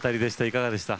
いかがでした？